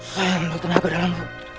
saya ambil tenaga dalam